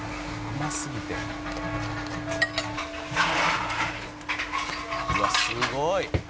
「うわっすごい！」